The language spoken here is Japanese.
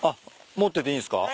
持ってていいんすか？